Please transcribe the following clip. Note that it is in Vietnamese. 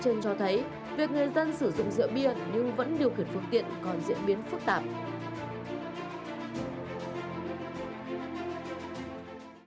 trên cho thấy việc người dân sử dụng rượu bia nhưng vẫn điều khiển phương tiện còn diễn biến phức tạp